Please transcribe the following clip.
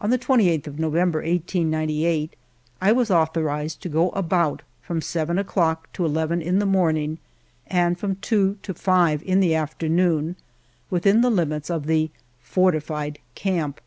On the 28th of November, 1898, I was au thorized to go about from seven o'clock to eleven in the morning and from two to five in the after noon within the limits of the " fortified camp."